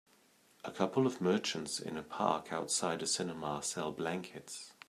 A couple of merchants in a park outside a cinema sell blankets.